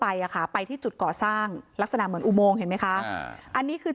อ่ะค่ะไปที่จุดก่อสร้างลักษณะเหมือนอุโมงเห็นไหมคะอันนี้คือ